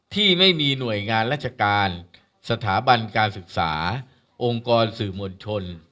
ที่ไม่มีหน่วยงานราชการสถาบันการศึกษาองค์กรสื่อมวลชน